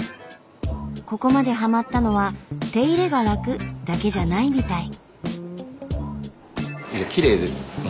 ここまでハマったのは「手入れが楽」だけじゃないみたい。